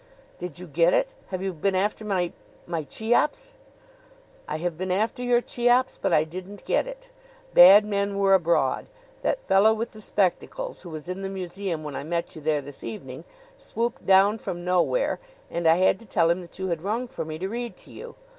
"Did you get it? Have you been after my my Cheops?" "I have been after your Cheops, but I didn't get it. Bad men were abroad. That fellow with the spectacles, who was in the museum when I met you there this evening, swooped down from nowhere, and I had to tell him that you had rung for me to read to you.